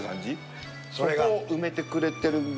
そこを埋めてくれてる。